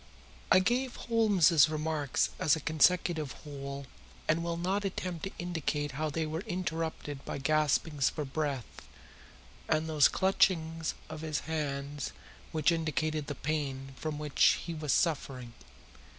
I gave Holmes's remarks as a consecutive whole and will not attempt to indicate how they were interrupted by gaspings for breath and those clutchings of his hands which indicated the pain from which he was suffering.